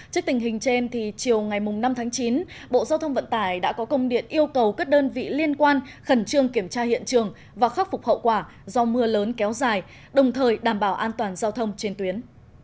trước tình hình trên chiều ngày năm tháng chín bộ giao thông vận tải đã có công điện yêu cầu các đơn vị liên quan khẩn trương kiểm tra hiện trường và khắc phục hậu quả do mưa lớn kéo dài đồng thời đảm bảo an toàn giao thông trên tuyến